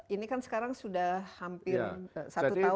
ini kan sekarang sudah hampir satu tahun